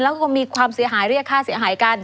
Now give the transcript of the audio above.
แล้วก็มีความเสียหายเรียกค่าเสียหายกัน